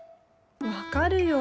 分かるよ。